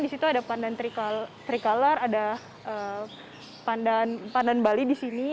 di situ ada pandan tricolor ada pandan bali di sini